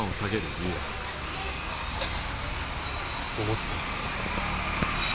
ごもっともでございます。